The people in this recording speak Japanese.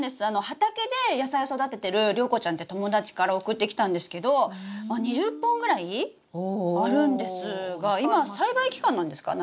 畑で野菜を育ててる良子ちゃんって友達から送ってきたんですけど２０本ぐらいあるんですが今栽培期間なんですか？